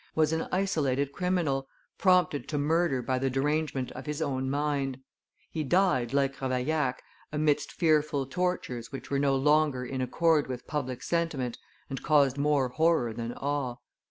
was an isolated criminal, prompted to murder by the derangement of his own mind; he died, like Ravaillac, amidst fearful tortures which were no longer in accord with public sentiment and caused more horror than awe.